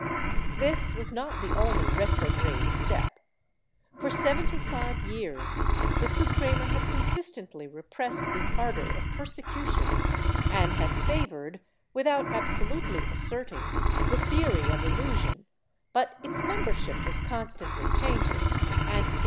^ This was not the only retrograde step. For seventy five years the Suprema had consistently repressed the ardor of persecution and had favored, without absolutely asserting, the theory of illu sion, but its membership was constantly changing and it now 1 Archive de Simancas, Inq.